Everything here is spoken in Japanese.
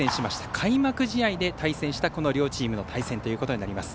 開幕試合で対戦した両チームの対戦ということになります。